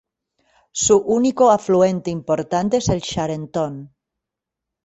Su único afluente importante es el Charentonne.